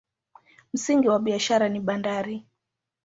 Msingi wa biashara ni bandari.